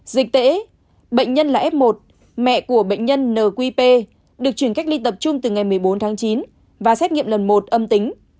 dịch tễ bệnh nhân là f một mẹ của bệnh nhân nqp được chuyển cách ly tập trung từ ngày một mươi bốn tháng chín và xét nghiệm lần một âm tính